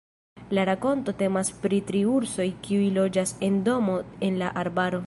La rakonto temas pri tri ursoj kiuj loĝas en domo en la arbaro.